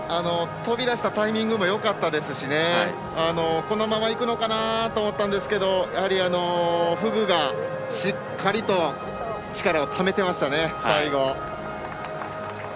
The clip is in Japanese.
飛び出したタイミングもよかったですしこのままいくのかなと思ったんですけどフグがしっかりと力をためてましたね、最後。